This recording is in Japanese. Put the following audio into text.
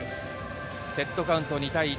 セットカウント２対１。